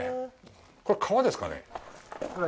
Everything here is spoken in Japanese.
これ、川ですかね？